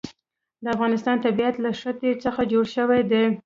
د افغانستان طبیعت له ښتې څخه جوړ شوی دی.